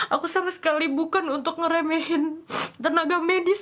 aku sama sekali bukan untuk ngeremehin tenaga medis